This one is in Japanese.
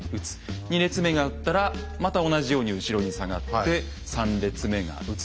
２列目が撃ったらまた同じように後ろに下がって３列目が撃つ。